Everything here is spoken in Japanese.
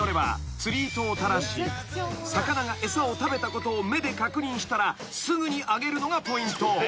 ［釣り糸を垂らし魚が餌を食べたことを目で確認したらすぐに上げるのがポイント］